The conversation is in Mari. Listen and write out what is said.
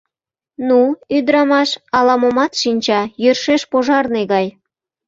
Ну, ӱдырамаш, ала-момат шинча, йӧршеш пожарный гай.